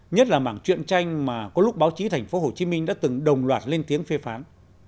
nhất là mảng chuyện tranh mà có lúc báo chí tp hcm đã từng đồng loạt lên tiếng phê phán